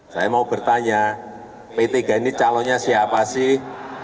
saya mau bertanya p tiga ini calonnya siapa sih